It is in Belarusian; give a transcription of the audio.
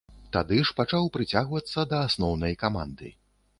Тады ж пачаў прыцягвацца да асноўнай каманды.